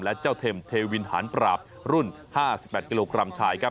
และเจ้าเทมเทวินหารปราบรุ่น๕๘กิโลกรัมชายครับ